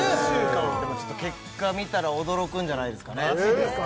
でも結果見たら驚くんじゃないですかねマジですか？